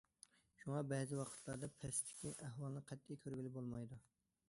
شۇڭا بەزى ۋاقىتلاردا پەستىكى ئەھۋالنى قەتئىي كۆرگىلى بولمايدۇ.